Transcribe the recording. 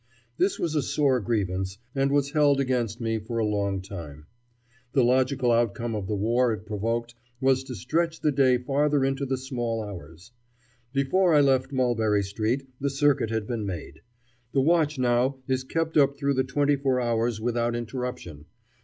This was a sore grievance, and was held against me for a long time. The logical outcome of the war it provoked was to stretch the day farther into the small hours. Before I left Mulberry Street the circuit had been made. The watch now is kept up through the twenty four hours without interruption.